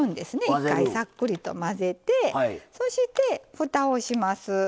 一回さっくりと混ぜてそしてふたをします。